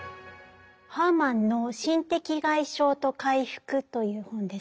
ハーマンの「心的外傷と回復」という本です。